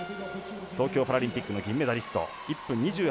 東京パラリンピックの銀メダリスト。